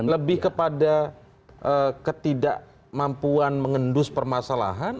lebih kepada ketidakmampuan mengendus permasalahan